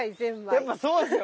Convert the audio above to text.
やっぱそうですよね。